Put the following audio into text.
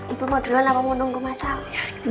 ibu mau duluan apa mau nunggu masa